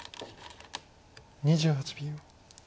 ２８秒。